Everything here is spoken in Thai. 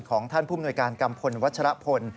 ของท่านท่านผู้มูลการกัมพลวัชรพล